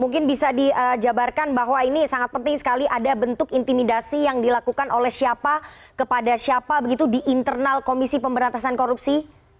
mungkin bisa dijabarkan bahwa ini sangat penting sekali ada bentuk intimidasi yang dilakukan oleh siapa kepada siapa begitu di internal komisi pemberantasan korupsi